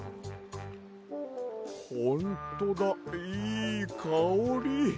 ほんとだいいかおり。